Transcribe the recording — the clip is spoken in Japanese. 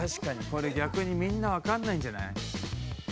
これ逆にみんなわかんないんじゃない？